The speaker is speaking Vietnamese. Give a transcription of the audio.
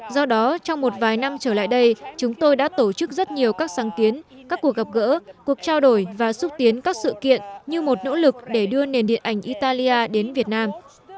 do đó trong một vài năm trở lại đây chúng tôi đã tổ chức rất nhiều các sáng kiến các cuộc gặp gỡ cuộc trao đổi và xúc tiến các sự kiện như một nỗ lực để đưa nền điện ảnh italia đến việt nam